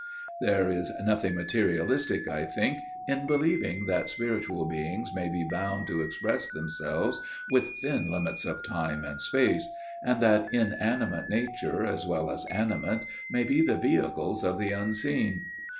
"There is nothing materialistic, I think, in believing that spiritual beings may be bound to express themselves within limits of time and space; and that inanimate nature, as well as animate, may be the vehicles of the unseen.